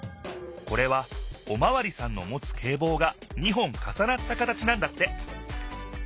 これはおまわりさんのもつけいぼうが２本かさなった形なんだって。